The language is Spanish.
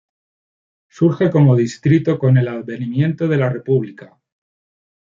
Surge como distrito con el advenimiento de la república.